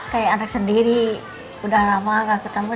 kayak anak sendiri udah lama gak ketemu